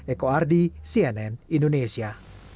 eko ardi cnn indonesia